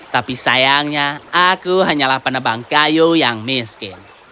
tapi sayangnya aku hanyalah penebang kayu yang miskin